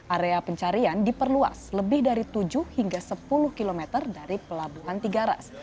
area pencarian diperluas lebih dari tujuh hingga sepuluh km dari pelabuhan tiga ras